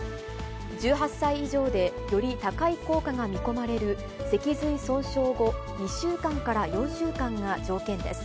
１８歳以上でより高い効果が見込まれる脊髄損傷後２週間から４週間が条件です。